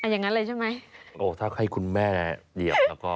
อย่างนั้นเลยใช่ไหมโอ้ถ้าให้คุณแม่เหยียบแล้วก็